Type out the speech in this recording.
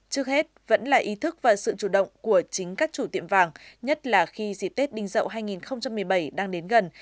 trước hết vẫn là ý thức và sự chủ động của chính các chủ tiệm vàng nhất là khi dịp tết đinh dậu hai nghìn một mươi bảy đang đến gần